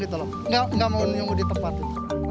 tidak tidak mau menunggu di tempat itu